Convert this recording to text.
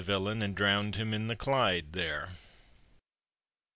1 And drowned him in the Clyde there!